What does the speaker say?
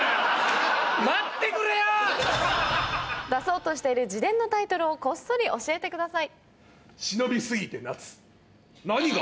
出そうとしている自伝のタイトルをこっそり教えてください。